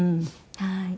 はい。